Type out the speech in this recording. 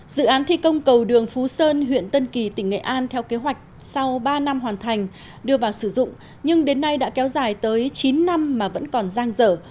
dự án thi công cầu đường phú sơn huyện tân kỳ tỉnh nghệ an theo kế hoạch sau ba năm hoàn thành đưa vào sử dụng nhưng đến nay đã kéo dài tới chín năm mà vẫn còn giang dở